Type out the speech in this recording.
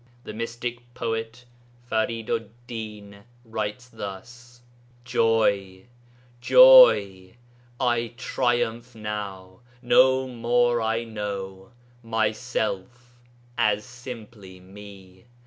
The mystic poet Far'idu'd din writes thus, Joy! joy! I triumph now; no more I know Myself as simply me.